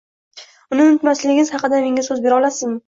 Uni unutmasligingiz haqida menga so'z bera olasizmi?